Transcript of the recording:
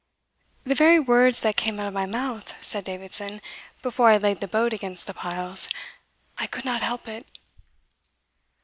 "The very words that came out of my mouth," said Davidson, "before I laid the boat against the piles. I could not help it!"